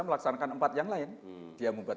melaksanakan empat yang lain dia membuat